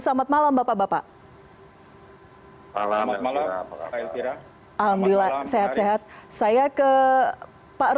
selamat malam bapak bapak